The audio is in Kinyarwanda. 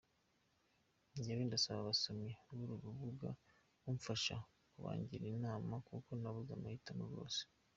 Njyewe ndasaba abasomyi b’uru rubaga kumfasha bakangira inama kuko nabuze amahitamo rwose.